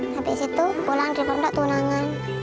habis itu pulang dari munda tunangan